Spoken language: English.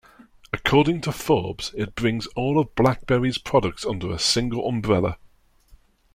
According to Forbes, it brings all of BlackBerry's products under a single umbrella.